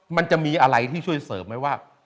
มันจะมีอะไรที่ช่วยเสริมไหมว่า